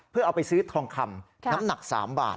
เพื่อเอาไปซื้อทองคำน้ำหนัก๓บาท